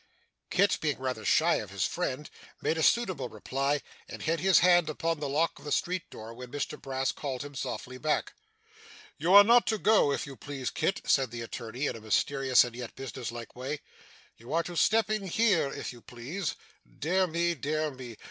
Kit, being rather shy of his friend, made a suitable reply, and had his hand upon the lock of the street door when Mr Brass called him softly back. 'You are not to go, if you please, Kit,' said the attorney in a mysterious and yet business like way. 'You are to step in here, if you please. Dear me, dear me!